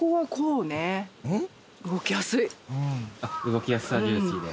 動きやすさ重視で。